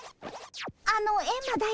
あのエンマ大王